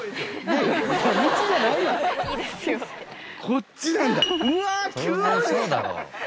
こっちなんだうわ急に！